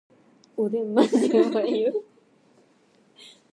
おでんマジでうまいよ